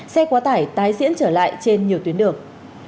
xe quá tải tái diễn trở lại trên nhiều tuyến đường